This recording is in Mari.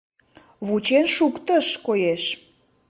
Вучен шуктыш, коеш.